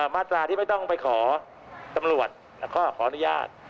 มาตราที่ไม่ต้องไปขอตำรวจแล้วก็ขออนุญาต